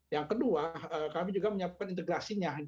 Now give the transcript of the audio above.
yang kedua kami juga menyiapkan integrasinya